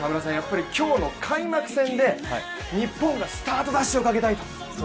今日の開幕戦で日本がスタートダッシュをかけたいと。